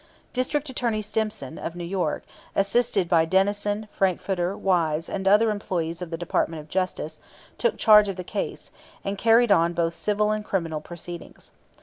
District Attorney Stimson, of New York, assisted by Denison, Frankfurter, Wise, and other employees of the Department of Justice, took charge of the case, and carried on both civil and criminal proceedings.